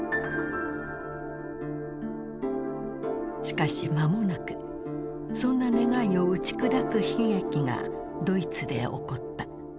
しかし間もなくそんな願いを打ち砕く悲劇がドイツで起こった。